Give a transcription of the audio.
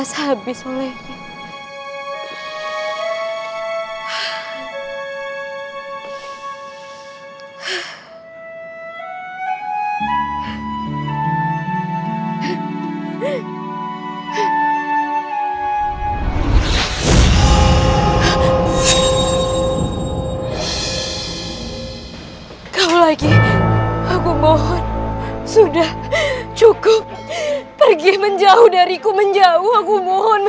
jangan sampai kabur